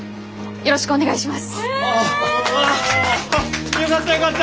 よろしくお願いします。